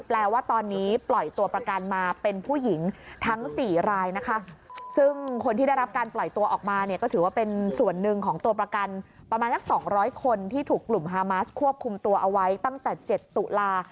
แปลว่าตอนนี้ปล่อยตัวประกันมาเป็นผู้หญิงทั้ง๔รายนะคะซึ่งคนที่ได้รับการปล่อยตัวออกมาเนี่ยก็ถือว่าเป็นส่วนหนึ่งของตัวประกันประมาณสัก๒๐๐คนที่ถูกกลุ่มฮามาสควบคุมตัวเอาไว้ตั้งแต่๗ตุลา